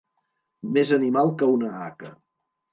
Més animal que una haca.